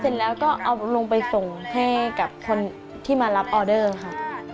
เสร็จแล้วก็เอาลงไปส่งให้กับคนที่มารับออเดอร์ค่ะ